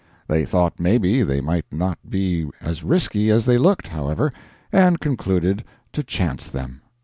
They thought maybe they might not be as risky as they looked, however, and concluded to chance them.